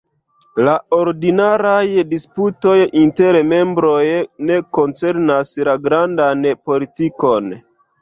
La ordinaraj disputoj inter membroj ne koncernas la grandan politikon.